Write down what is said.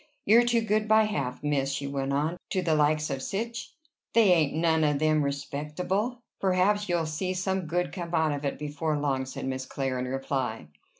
"You're too good by half, miss," she went on, "to the likes of sich. They ain't none of them respectable." "Perhaps you'll see some good come out of it before long," said Miss Clare in reply.